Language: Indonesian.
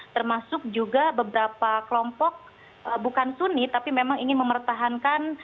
termasuk juga beberapa kelompok bukan suni tapi memang ingin mempertahankan